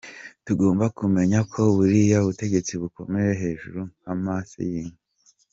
tugomba kumenya ko buriya butegetsi bukomeye hejuru nk’amase y’inka.